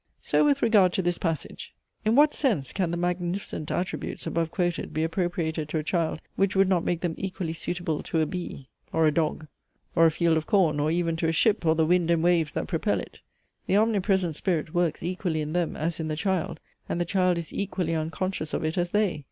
So with regard to this passage. In what sense can the magnificent attributes, above quoted, be appropriated to a child, which would not make them equally suitable to a bee, or a dog, or afield of corn: or even to a ship, or to the wind and waves that propel it? The omnipresent Spirit works equally in them, as in the child; and the child is equally unconscious of it as they.